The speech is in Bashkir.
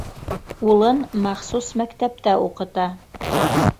Улын махсус мәктәптә уҡыта.